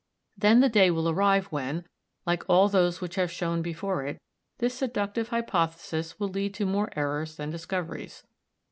Then the day will arrive when, like all those which have shone before it, this seductive hypothesis will lead to more errors than discoveries.